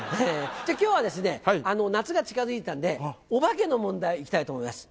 今日はですね夏が近づいたんでお化けの問題行きたいと思います。